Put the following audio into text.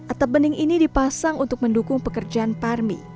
atap bening ini dipasang untuk mendukung pekerjaan parmi